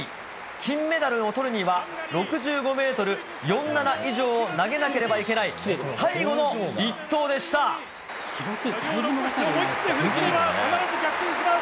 金メダルをとるには６５メートル４７以上を投げなければいけない、思いきって振りきれば、必ず逆転します。